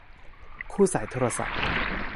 คู่สายโทรศัพท์